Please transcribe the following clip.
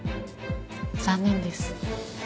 残念です。